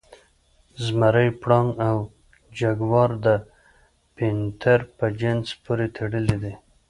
زمری، پړانګ او جګوار د پینتر په جنس پورې تړلي دي.